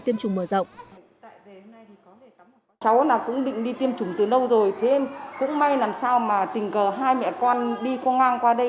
tiêm chủng mở rộng